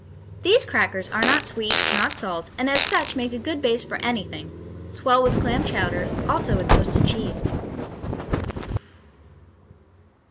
These crackers are not sweet, not salt, and as such make a good base for anything swell with clam chowder, also with toasted cheese....